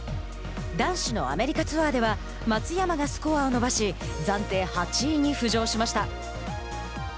男子のアメリカツアーでは松山がスコアを伸ばし暫定８位に浮上しました。